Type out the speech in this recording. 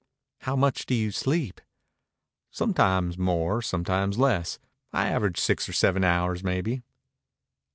"How much do you sleep?" "Sometimes more, sometimes less. I average six or seven hours, maybe."